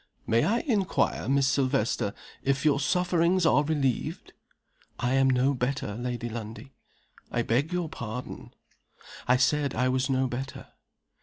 "May I inquire, Miss Silvester, if your sufferings are relieved?" "I am no better, Lady Lundie." "I beg your pardon?" "I said I was no better."